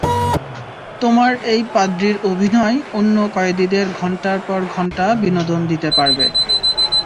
তোমার এই পাদ্রীর অভিনয় অন্য কয়েদীদের ঘণ্টার পর ঘণ্টা বিনোদন দিতে পারবে।